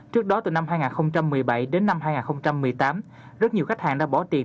trước đó từ năm hai nghìn một mươi bảy đến năm hai nghìn một mươi tám rất nhiều khách hàng đã bỏ tiền